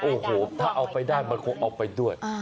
โอ้โหถ้าเอาไปได้มันคงเอาไปด้วย